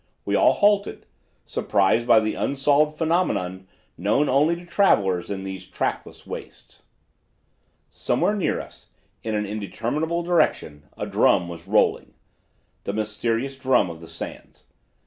We all halted, surprised by an unsolved phenomenon known only to travelers in these trackless wastes. "Somewhere, near us, in an indeterminable direction, a drum was rolling, the mysterious drum of the sands.